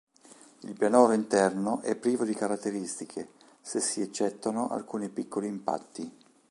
Il pianoro interno è privo di caratteristiche, se si eccettuano alcuni piccoli impatti.